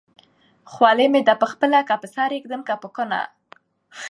خولۍ مې ده خپله که په سر يې ايږدم که په کونه